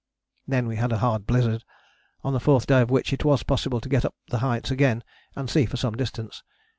" Then we had a hard blizzard, on the fourth day of which it was possible to get up the Heights again and see for some distance.